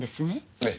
ええ。